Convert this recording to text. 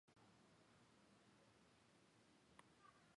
佐吉有空时也会去尾张附近的工业区。